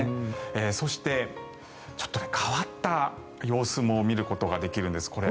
そして、ちょっと変わった様子も見ることができるんです。